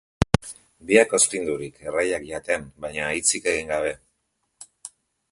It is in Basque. Biak ozpindurik, erraiak jaten, baina hitzik egin gabe.